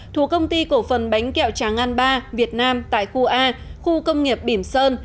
thuộc công ty cổ phần bánh kẹo tràng an ba việt nam tại khu a khu công nghiệp bỉm sơn